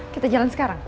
kita jalan sekarang